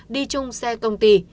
đi chung xe công ty